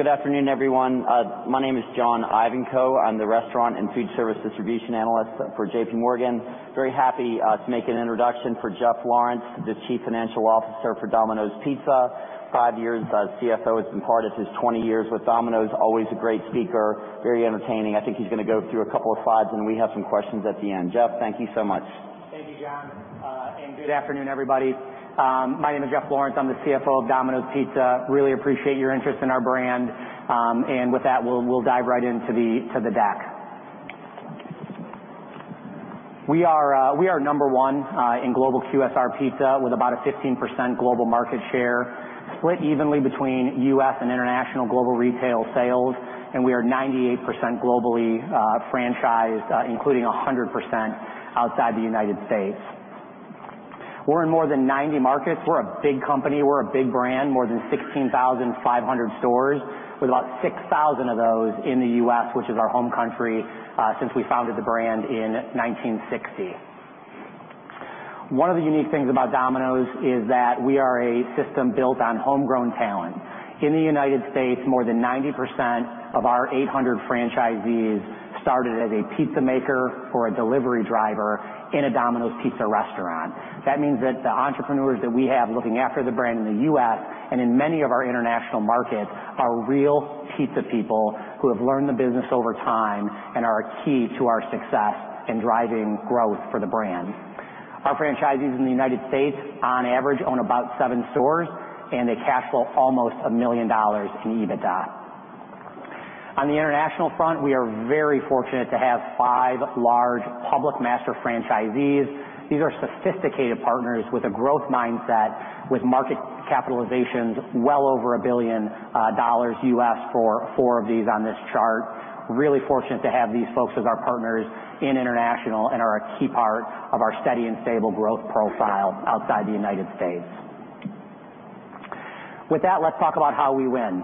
Good afternoon, everyone. My name is John Ivankoe. I'm the restaurant and food service distribution analyst for JPMorgan. Very happy to make an introduction for Jeff Lawrence, the Chief Financial Officer for Domino's Pizza. Five years as CFO as part of his 20 years with Domino's. Always a great speaker, very entertaining. I think he's going to go through a couple of slides, and we have some questions at the end. Jeff, thank you so much. Thank you, John. Good afternoon, everybody. My name is Jeff Lawrence. I'm the CFO of Domino's Pizza. Really appreciate your interest in our brand. With that, we'll dive right into the deck. We are number one in global QSR pizza with about a 15% global market share, split evenly between U.S. and international global retail sales. We are 98% globally franchised, including 100% outside the United States. We're in more than 90 markets. We're a big company. We're a big brand. More than 16,500 stores, with about 6,000 of those in the U.S., which is our home country since we founded the brand in 1960. One of the unique things about Domino's is that we are a system built on homegrown talent. In the United States, more than 90% of our 800 franchisees started as a pizza maker or a delivery driver in a Domino's Pizza restaurant. That means that the entrepreneurs that we have looking after the brand in the U.S. and in many of our international markets are real pizza people who have learned the business over time and are a key to our success in driving growth for the brand. Our franchisees in the United States, on average, own about seven stores, and they cash flow almost $1 million in EBITDA. On the international front, we are very fortunate to have five large public master franchisees. These are sophisticated partners with a growth mindset, with market capitalizations well over $1 billion U.S. for four of these on this chart. Really fortunate to have these folks as our partners in international and are a key part of our steady and stable growth profile outside the United States. With that, let's talk about how we win.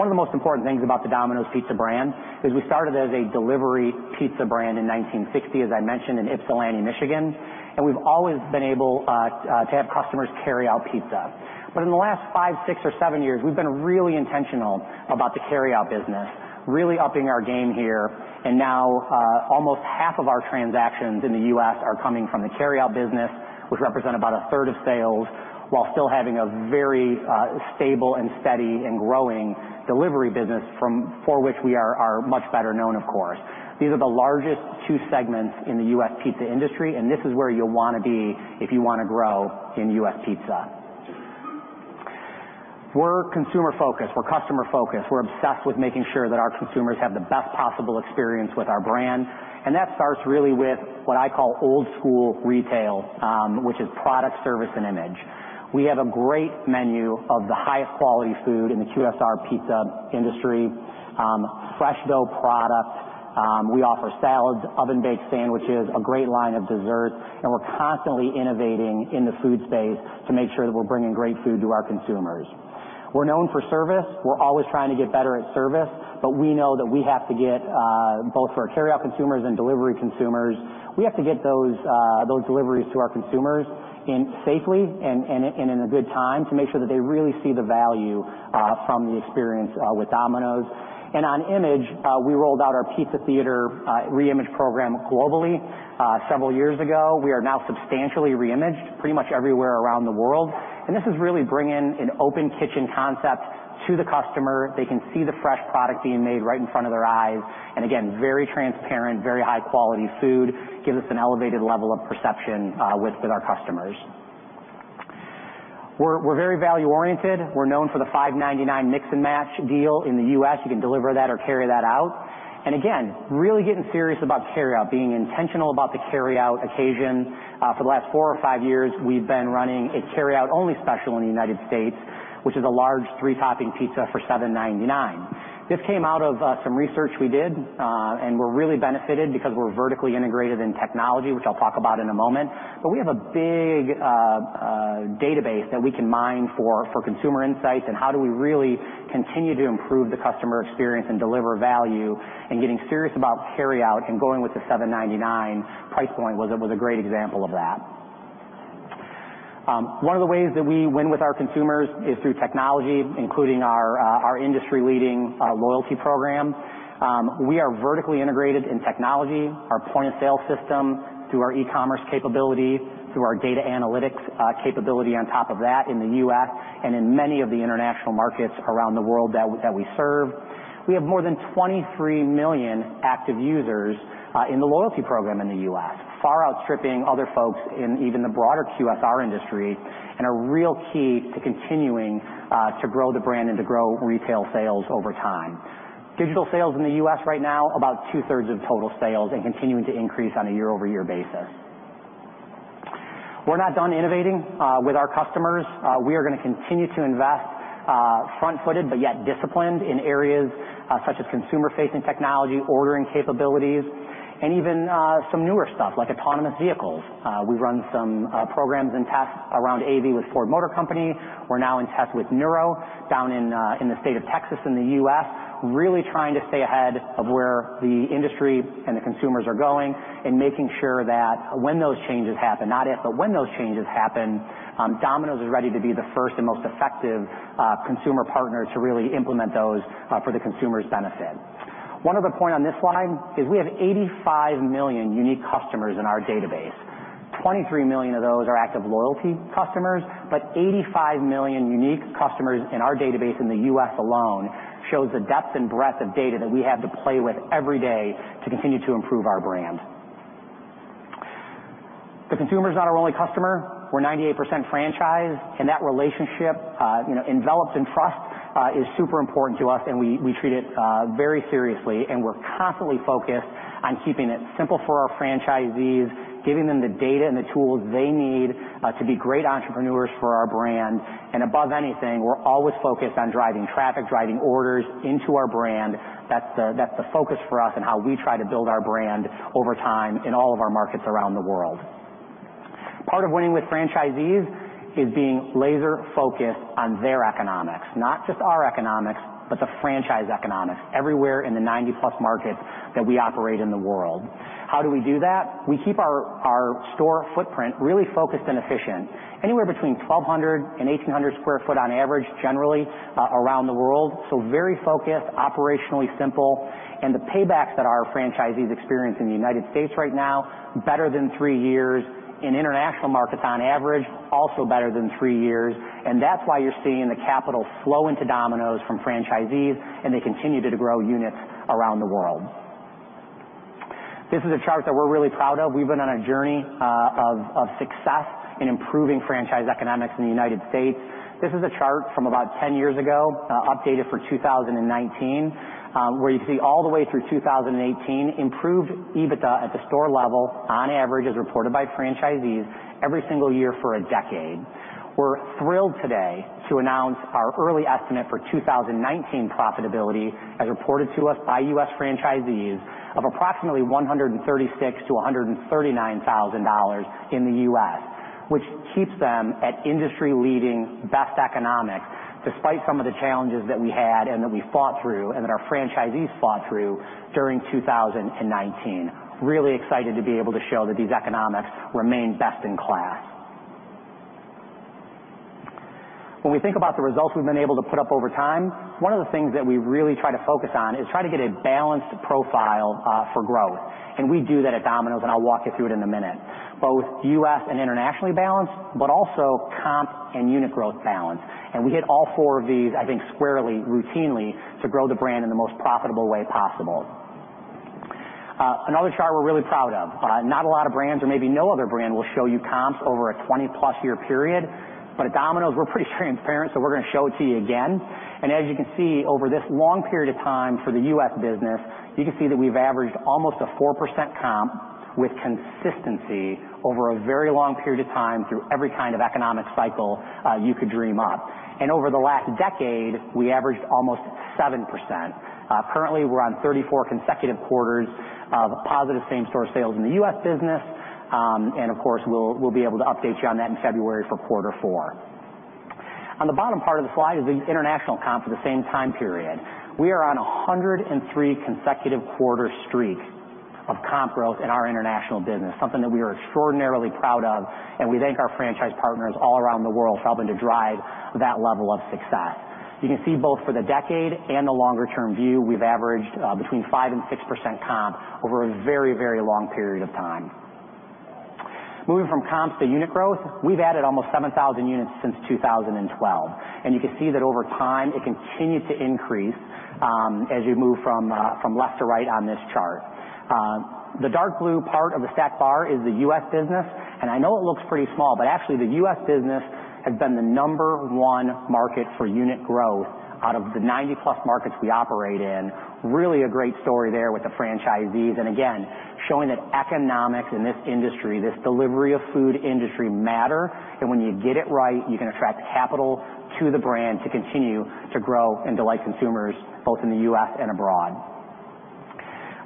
One of the most important things about the Domino's Pizza brand is we started as a delivery pizza brand in 1960, as I mentioned, in Ypsilanti, Michigan, and we've always been able to have customers carry out pizza. In the last 5, 6, or 7 years, we've been really intentional about the carryout business, really upping our game here. Now almost half of our transactions in the U.S. are coming from the carryout business, which represent about a third of sales, while still having a very stable and steady and growing delivery business for which we are much better known, of course. These are the largest two segments in the U.S. pizza industry, and this is where you'll want to be if you want to grow in U.S. pizza. We're consumer focused. We're customer focused. We're obsessed with making sure that our consumers have the best possible experience with our brand. That starts really with what I call old school retail, which is product, service, and image. We have a great menu of the highest quality food in the QSR pizza industry. Fresh dough products. We offer salads, oven-baked sandwiches, a great line of desserts, and we're constantly innovating in the food space to make sure that we're bringing great food to our consumers. We're known for service. We're always trying to get better at service, but we know that we have to get, both for our carryout consumers and delivery consumers, we have to get those deliveries to our consumers safely and in a good time to make sure that they really see the value from the experience with Domino's. On image, we rolled out our Pizza Theater reimage program globally several years ago. We are now substantially re-imaged pretty much everywhere around the world. This is really bringing an open kitchen concept to the customer. They can see the fresh product being made right in front of their eyes. Again, very transparent, very high-quality food. Gives us an elevated level of perception with our customers. We're very value oriented. We're known for the $5.99 mix and match deal in the U.S. You can deliver that or carry that out. Again, really getting serious about carryout, being intentional about the carryout occasion. For the last four or five years, we've been running a carryout-only special in the United States, which is a large three-topping pizza for $7.99. This came out of some research we did, and we're really benefited because we're vertically integrated in technology, which I'll talk about in a moment. We have a big database that we can mine for consumer insights and how do we really continue to improve the customer experience and deliver value. Getting serious about carryout and going with the $7.99 price point was a great example of that. One of the ways that we win with our consumers is through technology, including our industry-leading loyalty program. We are vertically integrated in technology, our point-of-sale system, through our e-commerce capability, through our data analytics capability on top of that in the U.S. and in many of the international markets around the world that we serve. We have more than 23 million active users in the loyalty program in the U.S., far outstripping other folks in even the broader QSR industry and a real key to continuing to grow the brand and to grow retail sales over time. Digital sales in the U.S. right now, about two-thirds of total sales and continuing to increase on a year-over-year basis. We're not done innovating with our customers. We are going to continue to invest front-footed but yet disciplined in areas such as consumer-facing technology, ordering capabilities, and even some newer stuff like autonomous vehicles. We've run some programs and tests around AV with Ford Motor Company. We're now in tests with Nuro down in the state of Texas in the U.S., really trying to stay ahead of where the industry and the consumers are going and making sure that when those changes happen, not if, but when those changes happen, Domino's is ready to be the first and most effective consumer partner to really implement those for the consumer's benefit. One other point on this slide is we have 85 million unique customers in our database. 23 million of those are active loyalty customers, but 85 million unique customers in our database in the U.S. alone shows the depth and breadth of data that we have to play with every day to continue to improve our brand. The consumer is not our only customer. We're 98% franchise, and that relationship, enveloped in trust, is super important to us, and we treat it very seriously. We're constantly focused on keeping it simple for our franchisees, giving them the data and the tools they need to be great entrepreneurs for our brand. Above anything, we're always focused on driving traffic, driving orders into our brand. That's the focus for us and how we try to build our brand over time in all of our markets around the world. Part of winning with franchisees is being laser-focused on their economics. Not just our economics, but the franchise economics, everywhere in the 90-plus markets that we operate in the world. How do we do that? We keep our store footprint really focused and efficient. Anywhere between 1,200 and 1,800 sq ft on average, generally, around the world. Very focused, operationally simple. The paybacks that our franchisees experience in the U.S. right now, better than three years. In international markets on average, also better than three years. That's why you're seeing the capital flow into Domino's from franchisees, and they continue to grow units around the world. This is a chart that we're really proud of. We've been on a journey of success in improving franchise economics in the United States. This is a chart from about 10 years ago, updated for 2019, where you see all the way through 2018, improved EBITDA at the store level on average, as reported by franchisees every single year for a decade. We're thrilled today to announce our early estimate for 2019 profitability, as reported to us by U.S. franchisees, of approximately $136,000-$139,000 in the U.S., which keeps them at industry-leading best economics, despite some of the challenges that we had and that we fought through, and that our franchisees fought through during 2019. Really excited to be able to show that these economics remain best in class. When we think about the results we've been able to put up over time, one of the things that we really try to focus on is try to get a balanced profile for growth. We do that at Domino's, and I'll walk you through it in a minute. Both U.S. and internationally balanced, but also comp and unit growth balance. We hit all four of these, I think, squarely, routinely to grow the brand in the most profitable way possible. Another chart we're really proud of. Not a lot of brands, or maybe no other brand, will show you comps over a 20-plus year period. At Domino's, we're pretty transparent, so we're going to show it to you again. As you can see, over this long period of time for the U.S. business, you can see that we've averaged almost a 4% comp with consistency over a very long period of time through every kind of economic cycle you could dream up. Over the last decade, we averaged almost 7%. Currently, we're on 34 consecutive quarters of positive same-store sales in the U.S. business. Of course, we'll be able to update you on that in February for quarter four. On the bottom part of the slide is the international comp for the same time period. We are on 103 consecutive quarter streak of comp growth in our international business, something that we are extraordinarily proud of, and we thank our franchise partners all around the world for helping to drive that level of success. You can see both for the decade and the longer-term view, we've averaged between 5% and 6% comp over a very long period of time. Moving from comps to unit growth, we've added almost 7,000 units since 2012. You can see that over time, it continued to increase as you move from left to right on this chart. The dark blue part of the stack bar is the U.S. business. I know it looks pretty small, but actually the U.S. business has been the number one market for unit growth out of the 90-plus markets we operate in. Really a great story there with the franchisees. Again, showing that economics in this industry, this delivery of food industry matter. When you get it right, you can attract capital to the brand to continue to grow and delight consumers both in the U.S. and abroad.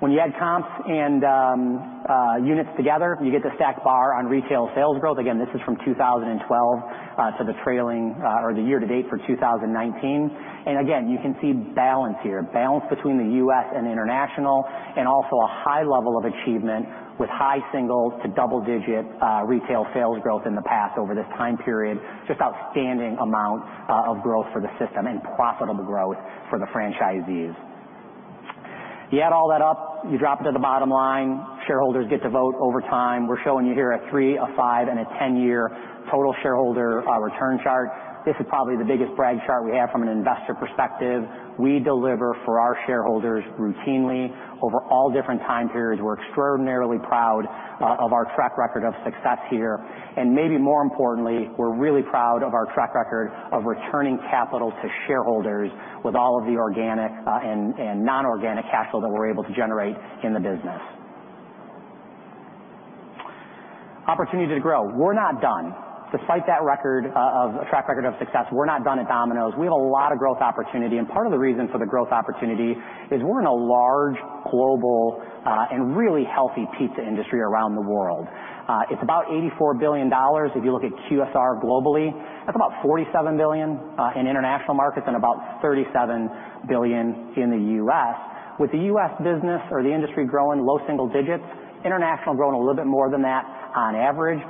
When you add comps and units together, you get the stack bar on retail sales growth. This is from 2012 to the year to date for 2019. You can see balance here. Balance between the U.S. and international, and also a high level of achievement with high singles to double-digit retail sales growth in the past over this time period. Just outstanding amount of growth for the system and profitable growth for the franchisees. You add all that up, you drop it to the bottom line. Shareholders get to vote over time. We're showing you here a three, a five, and a 10-year total shareholder return chart. This is probably the biggest brag chart we have from an investor perspective. We deliver for our shareholders routinely over all different time periods. We're extraordinarily proud of our track record of success here. Maybe more importantly, we're really proud of our track record of returning capital to shareholders with all of the organic and non-organic capital that we're able to generate in the business. Opportunity to grow. We're not done. Despite that track record of success, we're not done at Domino's. We have a lot of growth opportunity, and part of the reason for the growth opportunity is we're in a large global, and really healthy pizza industry around the world. It's about $84 billion if you look at QSR globally. That's about $47 billion in international markets and about $37 billion in the U.S. With the U.S. business or the industry growing low single digits, international growing a little bit more than that on average.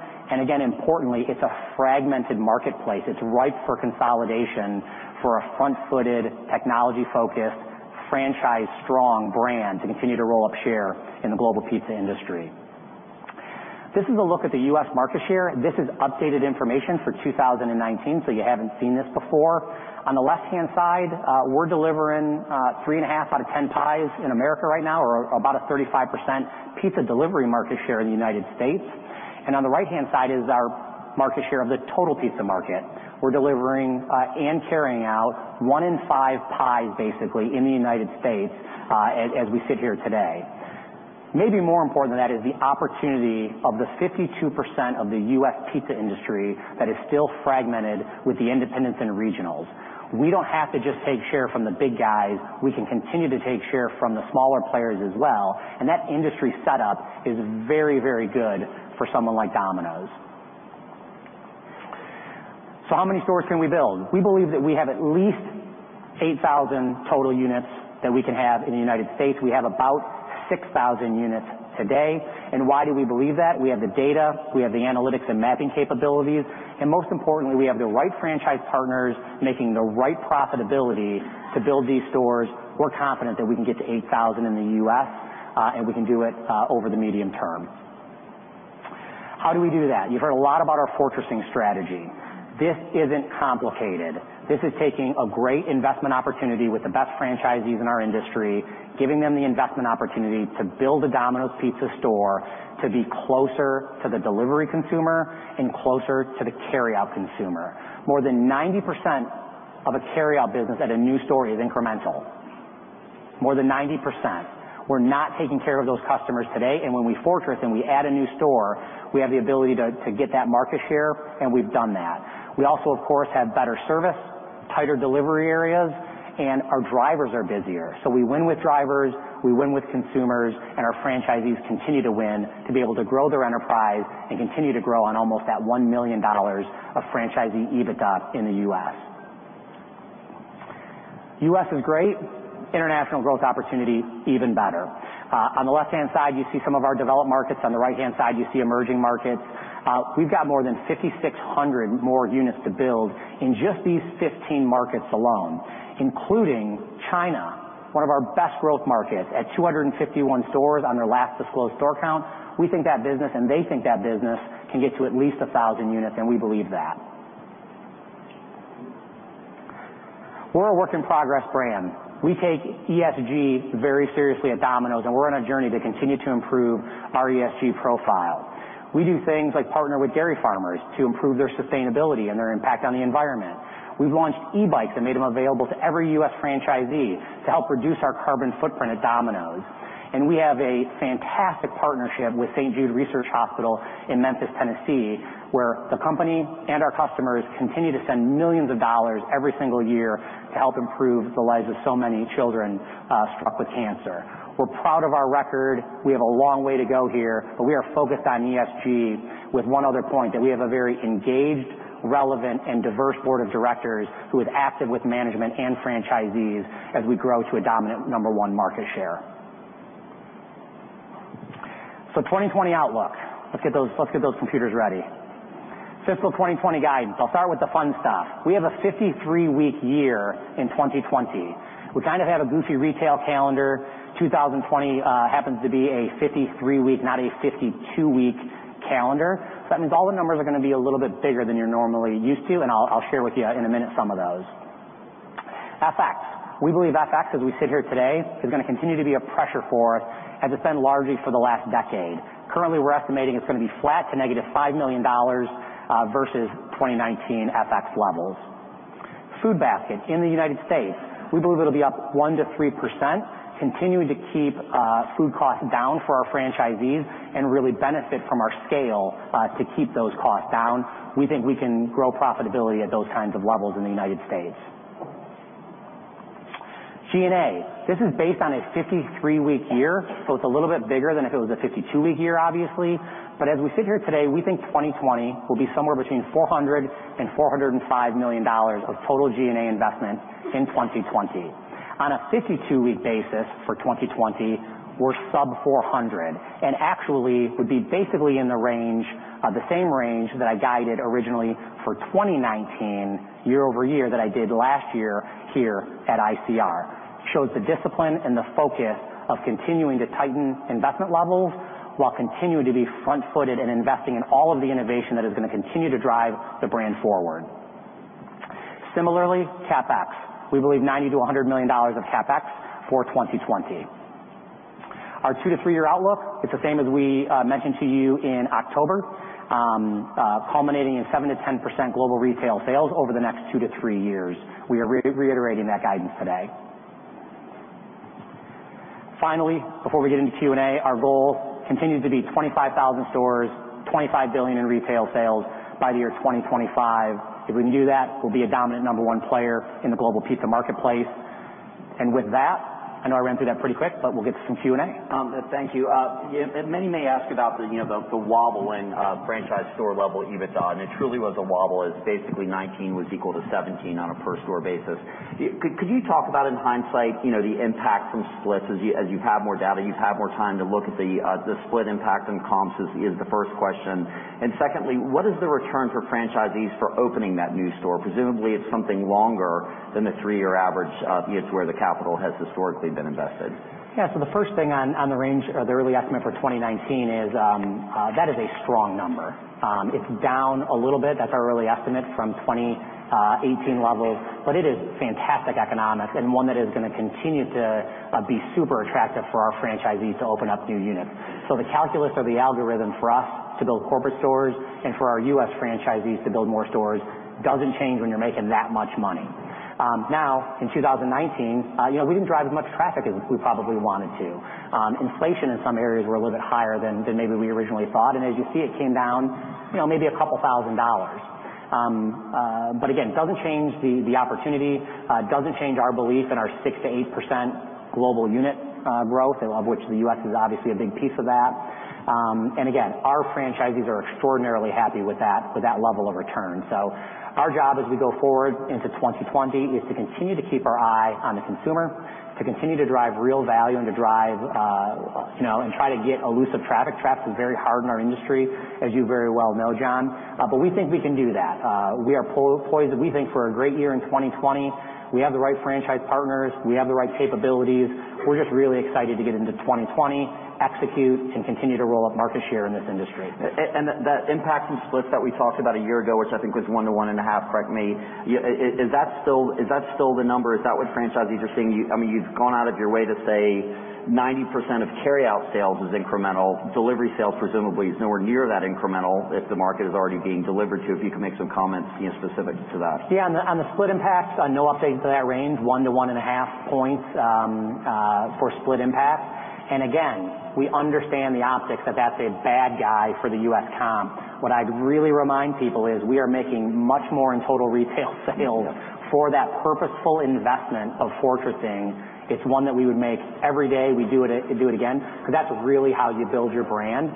Again, importantly, it's a fragmented marketplace. It's ripe for consolidation for a front-footed, technology-focused, franchise-strong brand to continue to roll up share in the global pizza industry. This is a look at the U.S. market share. This is updated information for 2019, so you haven't seen this before. On the left-hand side, we're delivering 3.5 out of 10 pies in America right now, or about a 35% pizza delivery market share in the United States. On the right-hand side is our market share of the total pizza market. We're delivering and carrying out 1 in 5 pies, basically, in the United States as we sit here today. Maybe more important than that is the opportunity of the 52% of the U.S. pizza industry that is still fragmented with the independents and regionals. We don't have to just take share from the big guys. We can continue to take share from the smaller players as well. That industry setup is very good for someone like Domino's. How many stores can we build? We believe that we have at least 8,000 total units that we can have in the United States. We have about 6,000 units today. Why do we believe that? We have the data, we have the analytics and mapping capabilities, and most importantly, we have the right franchise partners making the right profitability to build these stores. We're confident that we can get to 8,000 in the U.S., and we can do it over the medium term. How do we do that? You've heard a lot about our fortressing strategy. This isn't complicated. This is taking a great investment opportunity with the best franchisees in our industry, giving them the investment opportunity to build a Domino's Pizza store to be closer to the delivery consumer and closer to the carry-out consumer. More than 90% of a carry-out business at a new store is incremental. More than 90%. We're not taking care of those customers today, and when we fortress and we add a new store, we have the ability to get that market share, and we've done that. We also, of course, have better service, tighter delivery areas, and our drivers are busier. We win with drivers, we win with consumers, and our franchisees continue to win to be able to grow their enterprise and continue to grow on almost that $1 million of franchisee EBITDA in the U.S. U.S. is great. International growth opportunity, even better. On the left-hand side, you see some of our developed markets. On the right-hand side, you see emerging markets. We've got more than 5,600 more units to build in just these 15 markets alone, including China, one of our best growth markets at 251 stores on their last disclosed store count. We think that business, and they think that business can get to at least 1,000 units, and we believe that. We're a work-in-progress brand. We take ESG very seriously at Domino's, and we're on a journey to continue to improve our ESG profile. We do things like partner with dairy farmers to improve their sustainability and their impact on the environment. We've launched e-bikes and made them available to every U.S. franchisee to help reduce our carbon footprint at Domino's. We have a fantastic partnership with St. Jude Research Hospital in Memphis, Tennessee, where the company and our customers continue to send $ millions every single year to help improve the lives of so many children struck with cancer. We're proud of our record. We have a long way to go here, but we are focused on ESG with one other point, that we have a very engaged, relevant, and diverse board of directors who is active with management and franchisees as we grow to a dominant number one market share. 2020 outlook. Let's get those computers ready. Fiscal 2020 guidance. I'll start with the fun stuff. We have a 53-week year in 2020. We kind of have a goofy retail calendar. 2020 happens to be a 53-week, not a 52-week calendar. That means all the numbers are going to be a little bit bigger than you're normally used to, and I'll share with you in a minute some of those. FX. We believe FX, as we sit here today, is going to continue to be a pressure for us, as it's been largely for the last decade. Currently, we're estimating it's going to be flat to negative $5 million versus 2019 FX levels. Food basket in the United States. We believe it'll be up 1%-3%, continuing to keep food costs down for our franchisees and really benefit from our scale to keep those costs down. We think we can grow profitability at those kinds of levels in the United States. G&A. This is based on a 53-week year, so it's a little bit bigger than if it was a 52-week year, obviously. As we sit here today, we think 2020 will be somewhere between $400 million and $405 million of total G&A investment in 2020. On a 52-week basis for 2020, we're sub-$400 million, and actually would be basically in the range of the same range that I guided originally for 2019 year-over-year that I did last year here at ICR. Shows the discipline and the focus of continuing to tighten investment levels while continuing to be front-footed and investing in all of the innovation that is going to continue to drive the brand forward. Similarly, CapEx. We believe $90 million to $100 million of CapEx for 2020. Our two to three-year outlook, it's the same as we mentioned to you in October, culminating in 7%-10% global retail sales over the next two to three years. We are reiterating that guidance today. Finally, before we get into Q&A, our goal continues to be 25,000 stores, $25 billion in retail sales by the year 2025. If we can do that, we'll be a dominant number 1 player in the global pizza marketplace. With that, I know I ran through that pretty quick, we'll get to some Q&A. Thank you. Many may ask about the wobble in franchise store level EBITDA, and it truly was a wobble, as basically 19 was equal to 17 on a per store basis. Could you talk about in hindsight, the impact from splits as you have more data, you've had more time to look at the split impact in comps is the first question. Secondly, what is the return for franchisees for opening that new store? Presumably, it's something longer than the 3-year average of units where the capital has historically been invested. The first thing on the range, the early estimate for 2019 is, that is a strong number. It's down a little bit. That's our early estimate from 2018 levels, but it is fantastic economics and one that is going to continue to be super attractive for our franchisees to open up new units. The calculus or the algorithm for us to build corporate stores and for our US franchisees to build more stores doesn't change when you're making that much money. In 2019, we didn't drive as much traffic as we probably wanted to. Inflation in some areas were a little bit higher than maybe we originally thought, and as you see, it came down maybe a couple thousand dollars. Again, doesn't change the opportunity. Doesn't change our belief in our 6%-8% global unit growth, of which the U.S. is obviously a big piece of that. Again, our franchisees are extraordinarily happy with that level of return. Our job as we go forward into 2020 is to continue to keep our eye on the consumer, to continue to drive real value and to try to get elusive traffic. Traffic's very hard in our industry, as you very well know, John. We think we can do that. We are poised, we think, for a great year in 2020. We have the right franchise partners. We have the right capabilities. We're just really excited to get into 2020, execute, and continue to roll up market share in this industry. The impact from splits that we talked about a year ago, which I think was one to one and a half, correct me. Is that still the number? Is that what franchisees are seeing? You've gone out of your way to say 90% of carryout sales is incremental. Delivery sales presumably is nowhere near that incremental if the market is already being delivered to. If you can make some comments specific to that. Yeah, on the split impacts, no update to that range. 1-1.5 points for split impact. Again, we understand the optics that that's a bad guy for the U.S. comp. What I'd really remind people is we are making much more in total retail sales for that purposeful investment of fortressing. It's one that we would make every day, we'd do it again, because that's really how you build your brand.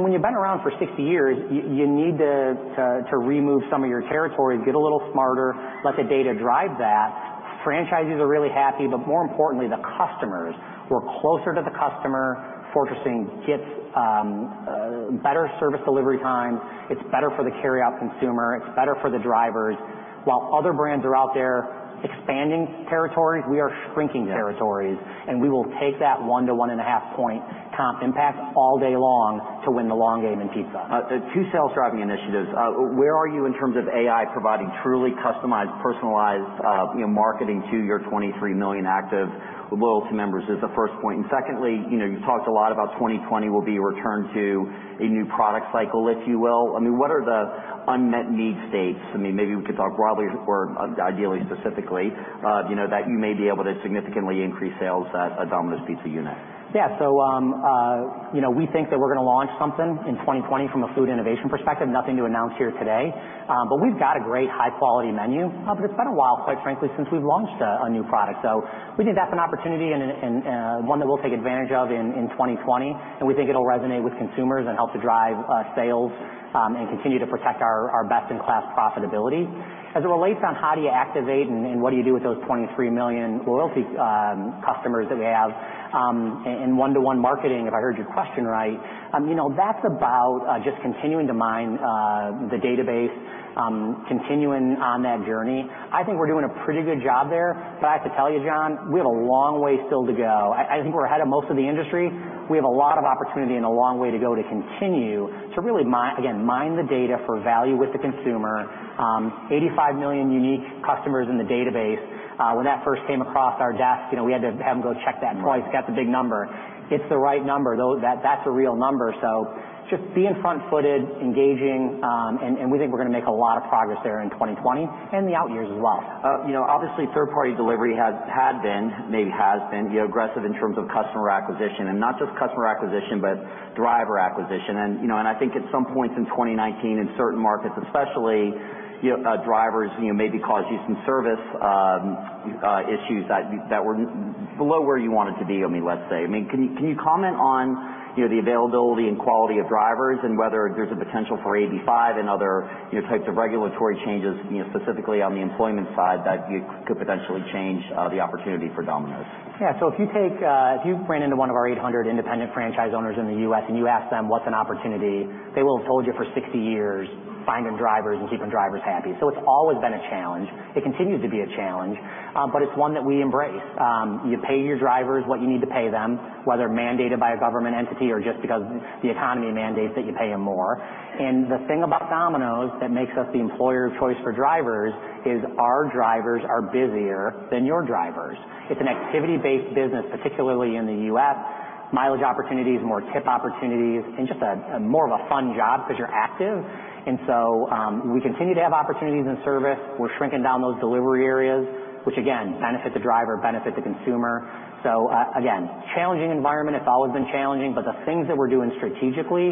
When you've been around for 60 years, you need to remove some of your territories, get a little smarter, let the data drive that. Franchisees are really happy, but more importantly, the customers. We're closer to the customer. Fortressing gets better service delivery times. It's better for the carryout consumer. It's better for the drivers. While other brands are out there expanding territories, we are shrinking territories. Yeah. We will take that one to one and a half point comp impact all day long to win the long game in pizza. Two sales-driving initiatives. Where are you in terms of AI providing truly customized, personalized marketing to your 23 million active loyalty members, is the first point? Secondly, you've talked a lot about 2020 will be a return to a new product cycle, if you will. What are the unmet need states? Maybe we could talk broadly or ideally specifically, that you may be able to significantly increase sales at Domino's Pizza unit. Yeah. We think that we're going to launch something in 2020 from a food innovation perspective. Nothing to announce here today. We've got a great high-quality menu. It's been a while, quite frankly, since we've launched a new product. We think that's an opportunity and one that we'll take advantage of in 2020, and we think it'll resonate with consumers and help to drive sales, and continue to protect our best-in-class profitability. As it relates on how do you activate and what do you do with those 23 million loyalty customers that we have, and one-to-one marketing, if I heard your question right, that's about just continuing to mine the database, continuing on that journey. I think we're doing a pretty good job there. I have to tell you, John, we have a long way still to go. I think we're ahead of most of the industry. We have a lot of opportunity and a long way to go to continue to really, again, mine the data for value with the consumer. 85 million unique customers in the database. When that first came across our desk, we had to have them go check that twice. Right. Got the big number. It's the right number, though. That's a real number. Just being front-footed, engaging, and we think we're going to make a lot of progress there in 2020 and the out years as well. Obviously, third-party delivery had been, maybe has been, aggressive in terms of customer acquisition. Not just customer acquisition, but driver acquisition. I think at some point in 2019, in certain markets especially, drivers maybe caused you some service issues that were below where you want it to be, let's say. Can you comment on the availability and quality of drivers and whether there's a potential for AB5 and other types of regulatory changes, specifically on the employment side, that could potentially change the opportunity for Domino's? If you ran into one of our 800 independent franchise owners in the U.S. and you asked them what's an opportunity, they will have told you for 60 years, finding drivers and keeping drivers happy. It's always been a challenge. It continues to be a challenge. It's one that we embrace. You pay your drivers what you need to pay them, whether mandated by a government entity or just because the economy mandates that you pay them more. The thing about Domino's that makes us the employer of choice for drivers is our drivers are busier than your drivers. It's an activity-based business, particularly in the U.S. Mileage opportunities, more tip opportunities, and just more of a fun job because you're active. We continue to have opportunities in service. We're shrinking down those delivery areas, which again, benefit the driver, benefit the consumer. Again, challenging environment. It's always been challenging, but the things that we're doing strategically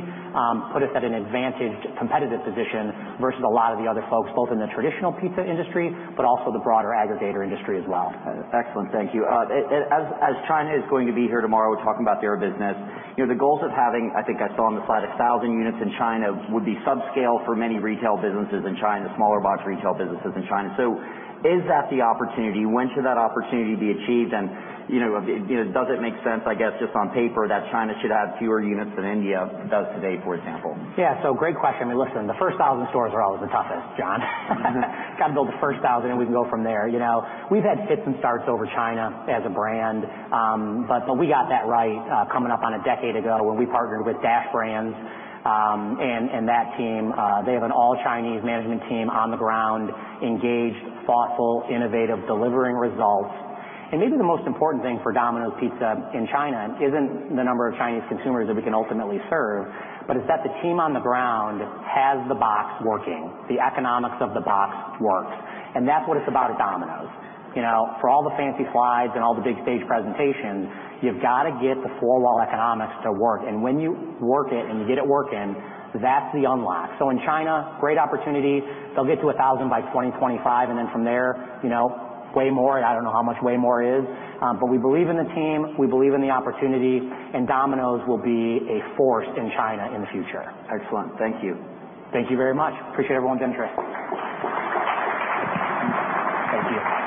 put us at an advantaged, competitive position versus a lot of the other folks, both in the traditional pizza industry, but also the broader aggregator industry as well. Excellent. Thank you. As China is going to be here tomorrow talking about their business, the goals of having, I think I saw on the slide, 1,000 units in China would be subscale for many retail businesses in China, smaller box retail businesses in China. Is that the opportunity? When should that opportunity be achieved? Does it make sense, I guess, just on paper, that China should have fewer units than India does today, for example? Yeah. Great question. Listen, the first 1,000 stores are always the toughest, John. Got to build the first 1,000 and we can go from there. We've had fits and starts over China as a brand. We got that right coming up on a decade ago when we partnered with DPC Dash. That team, they have an all-Chinese management team on the ground, engaged, thoughtful, innovative, delivering results. Maybe the most important thing for Domino's Pizza in China isn't the number of Chinese consumers that we can ultimately serve, but it's that the team on the ground has the box working. The economics of the box work. That's what it's about at Domino's. For all the fancy slides and all the big stage presentations, you've got to get the four-wall economics to work. When you work it and you get it working, that's the unlock. In China, great opportunity. They'll get to 1,000 by 2025, and then from there, way more. I don't know how much way more is. We believe in the team, we believe in the opportunity, and Domino's will be a force in China in the future. Excellent. Thank you. Thank you very much. Appreciate everyone's interest. Thank you.